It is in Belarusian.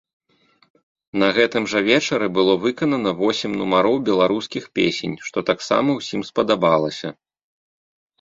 На гэтым жа вечары было выканана восем нумароў беларускіх песень, што таксама ўсім спадабалася.